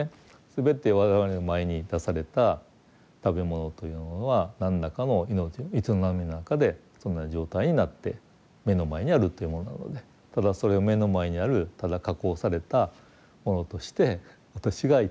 全て我々の前に出された食べ物というのは何らかの命の営みの中でそんな状態になって目の前にあるというものなのでただそれを目の前にあるただ加工されたものとして私が頂くという感覚なのか